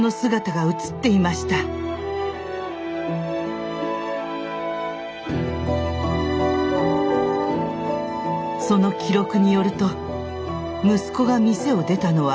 その記録によると息子が店を出たのは朝７時５５分。